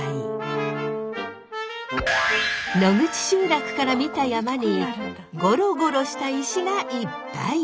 野口集落から見た山にゴロゴロした石がいっぱい。